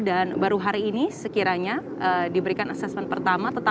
dan baru hari ini sekiranya diberikan asesmen pertama